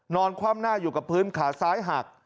คว่ำหน้าอยู่กับพื้นขาซ้ายหัก